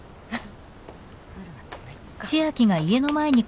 あっ。